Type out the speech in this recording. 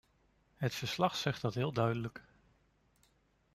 Het verslag zegt dat heel duidelijk.